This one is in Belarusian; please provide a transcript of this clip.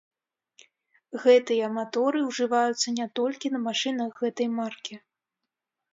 Гэтыя маторы ўжываюцца не толькі на машынах гэтай маркі.